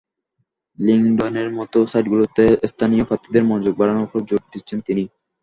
লিংকডইনের মতো সাইটগুলোতে স্থানীয় প্রার্থীদের মনোযোগ বাড়ানোর ওপর জোর দিচ্ছেন তিনি।